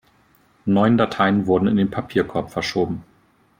Neun Dateien wurden in den Papierkorb verschoben.